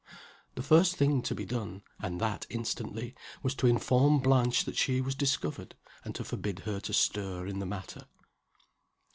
The first thing to be done and that instantly was to inform Blanche that she was discovered, and to forbid her to stir in the matter.